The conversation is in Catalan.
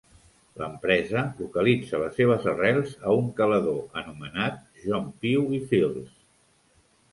L'empresa localitza les seves arrels a un calador anomenat John Pew i Fills.